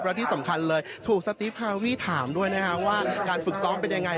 แล้วที่สำคัญเลยถูกสติพาวิถามด้วยว่าการฝืกซ้อมเป็นอย่างไร